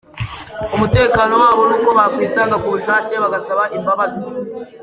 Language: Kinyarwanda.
Umutekano wabo n’uko bakwitanga ku bushake bagasaba imbabazi.”